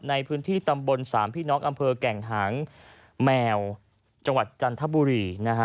ในพื้นที่ตำบล๓พิน็อคอำเภอแก่งหางแมวจังหวัดจันทบุรี